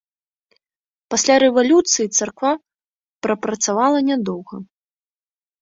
Пасля рэвалюцыі царква прапрацавала нядоўга.